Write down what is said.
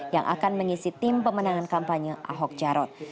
yang akan mengisi tim pemenangan kampanye ahok jarot